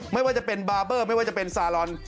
ไม่ว่าจะเป็นบาร์เบอร์ไม่ว่าจะเป็นซาลอน